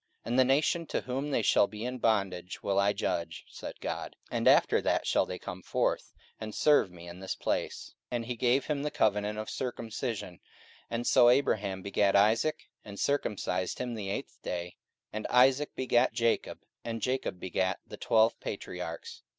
44:007:007 And the nation to whom they shall be in bondage will I judge, said God: and after that shall they come forth, and serve me in this place. 44:007:008 And he gave him the covenant of circumcision: and so Abraham begat Isaac, and circumcised him the eighth day; and Isaac begat Jacob; and Jacob begat the twelve patriarchs.